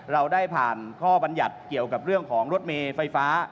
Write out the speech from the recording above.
เราได้ผ่านข้อบรรยัติเกี่ยวกับเรื่องของรถเมย์ไฟฟ้า